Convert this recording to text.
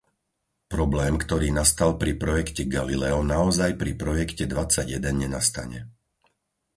Problém, ktorý nastal pri projekte Galileo, naozaj pri projekte dvadsaťjeden nenastane.